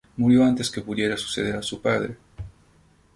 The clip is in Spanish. Murió antes de que pudiera suceder a su padre.